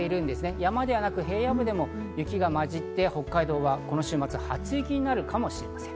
山ではなく平野部でも雪がまじって北海道は、この週末、初雪になるかもしれません。